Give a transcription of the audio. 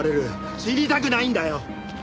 死にたくないんだよ！